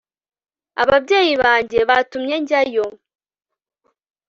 ababyeyi banjye batumye njyayo